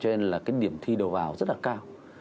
cho nên là cái điểm thi đầu vào rất là cao